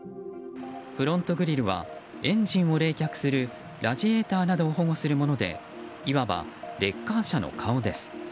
フロントグリルはエンジンを冷却するラジエーターなどを保護するものでいわばレッカー車の顔です。